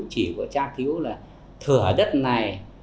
chỉ của cha cứu là thửa đất này